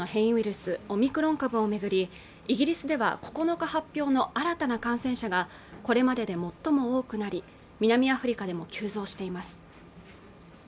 スオミクロン株をめぐりイギリスでは９日発表の新たな感染者がこれまでで最も多くなり南アフリカでも急増しています